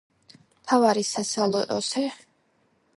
მთავარი სასილოსე კულტურები არის სიმინდი.